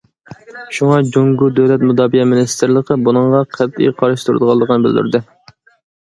شۇڭا، جۇڭگو دۆلەت مۇداپىئە مىنىستىرلىقى بۇنىڭغا قەتئىي قارشى تۇرىدىغانلىقىنى بىلدۈردى.